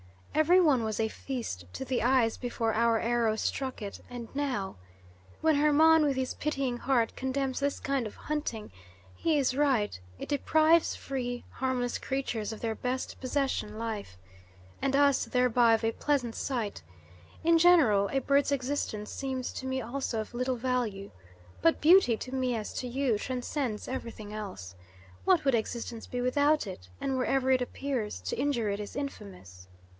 Every one was a feast to the eyes before our arrows struck it, and now? When Hermon, with his pitying heart, condemns this kind of hunting, he is right. It deprives free, harmless creatures of their best possession life and us thereby of a pleasant sight. In general, a bird's existence seems to me also of little value, but beauty, to me as to you, transcends everything else. What would existence be without it? and wherever it appears, to injure it is infamous."